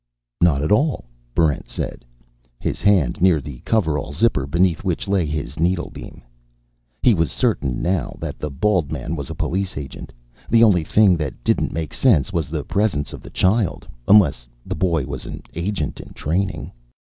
"Not at all," Barrent said, his hand near the coverall zipper beneath which lay his needlebeam. He was certain now that the bald man was a police agent. The only thing that didn't make sense was the presence of the child, unless the boy was an agent in training.